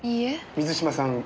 水嶋さん